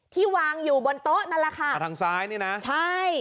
ที่วางอยู่บนโต๊ะนั่นล่ะค่ะ